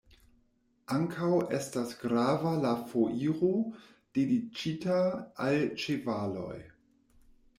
Ankaŭ estas grava la Foiro dediĉita al ĉevaloj.